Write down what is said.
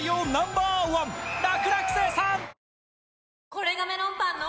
これがメロンパンの！